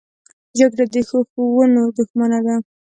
جګړه د ښو ښوونو دښمنه ده